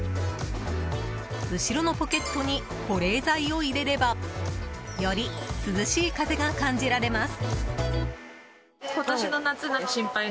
後ろのポケットに保冷剤を入れればより涼しい風が感じられます。